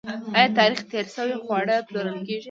آیا تاریخ تیر شوي خواړه پلورل کیږي؟